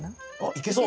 いけそう。